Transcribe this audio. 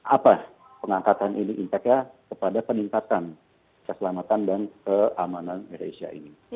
apa pengangkatan ini impactnya kepada peningkatan keselamatan dan keamanan air asia ini